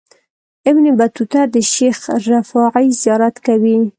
ابن بطوطه د شیخ رفاعي زیارت کوي.